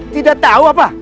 tidak tau apa